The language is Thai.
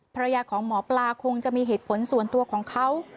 ภรรยาของหมอปลาคงจะมีเหตุผลส่วนตัวของเขา